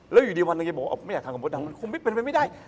แล้วอยู่ดีวันหนึ่งแกบอกว่าไม่อยากทำกับมดดำมันคงไม่เป็นไปไม่ได้